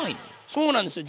そうなんですよ。